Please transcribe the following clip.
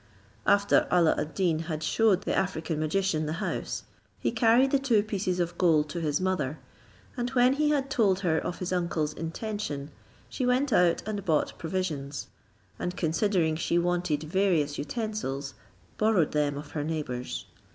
After Alla ad Deen had shewed the African magician the house, he carried the two pieces of gold to his mother, and when he had told her of his uncle's intention, she went out and bought provisions; and considering she wanted various utensils, borrowed them of her neighbours.